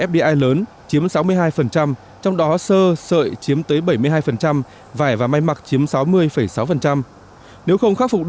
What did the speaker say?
fdi lớn chiếm sáu mươi hai trong đó sơ sợi chiếm tới bảy mươi hai vải và may mặc chiếm sáu mươi sáu nếu không khắc phục